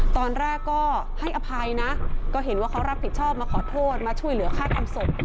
ตอนแรกก็ให้อภัยนะก็เห็นว่าเขารับผิดชอบมาขอโทษมาช่วยเหลือฆ่าทำศพ